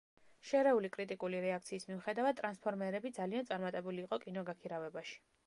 შერეული კრიტიკული რეაქციის მიუხედავად, „ტრანსფორმერები“ ძალიან წარმატებული იყო კინოგაქირავებაში.